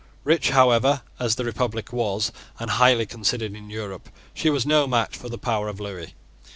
Rich, however, as the Republic was, and highly considered in Europe, she was no match for the power of Lewis.